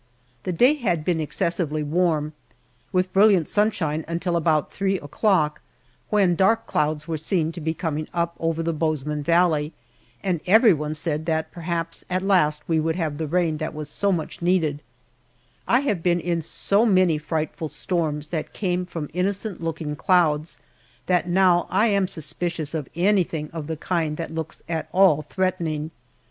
The day had been excessively warm, with brilliant sunshine until about three o'clock, when dark clouds were seen to be coming up over the Bozeman Valley, and everyone said that perhaps at last we would have the rain that was so much needed, I have been in so many frightful storms that came from innocent looking clouds, that now I am suspicious of anything of the kind that looks at all threatening.